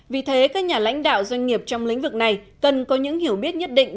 vì thế các nhà lãnh đạo doanh nghiệp trong lĩnh vực này cần có những hiểu biết nhất định